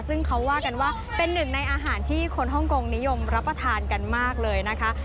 ซึ่งเขาว่ากันว่าเป็นหนึ่งในอาหารที่คนฮ่องกงนิยมรับประทานกันมากเลยนะคะ